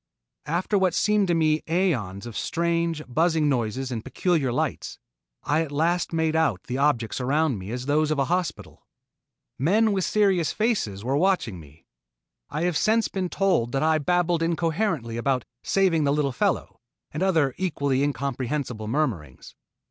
After what seemed to me aeons of strange, buzzing noises and peculiar lights, I at last made out the objects around me as those of a hospital. Men with serious faces were watching me. I have since been told that I babbled incoherently about "saving the little fellow" and other equally incomprehensible murmurings.